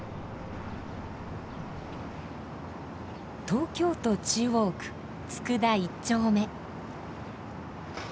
東京都中央区佃一丁目。